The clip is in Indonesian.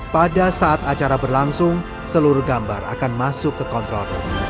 pada saat acara berlangsung seluruh gambar akan masuk ke kontrol